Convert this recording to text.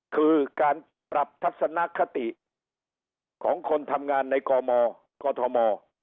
คือการปรับทัศนคติของคนทำงานในกมกธม